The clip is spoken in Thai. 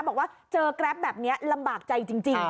บอกว่าเจอแกรปแบบนี้ลำบากใจจริง